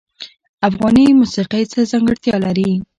افغاني موسیقی څه ځانګړتیا لري؟